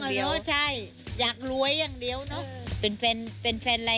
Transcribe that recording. มีอะไรพี่อยากได้ยังไงล่ะ